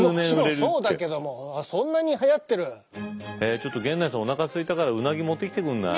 ちょっと源内さんおなかすいたからウナギ持ってきてくんない？